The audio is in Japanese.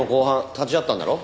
立ち会ったんだろ？